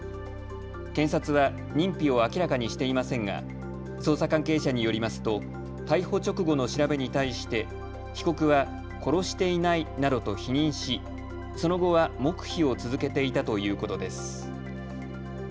検察は認否を明らかにしていませんが捜査関係者によりますと逮捕直後の調べに対して被告は殺していないなどと否認しその後は黙秘を続けていたということです。